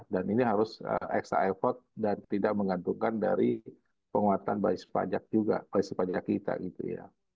dan ini harus extra effort dan tidak mengantukkan dari penguatan bajis pajak juga bajis pajak kita gitu ya